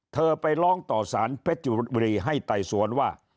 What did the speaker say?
เธอไปลองต่อศานเพชริบุลลี่ให้ใต้สวนว่า